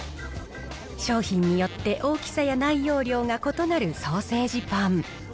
商品によって大きさや内容量が異なるソーセージパン。